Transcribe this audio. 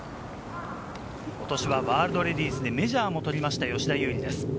ことしはワールドレディスでメジャーも取りました、吉田優利です。